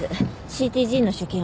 ＣＴＧの所見は？